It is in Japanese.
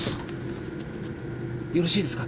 よろしいですか？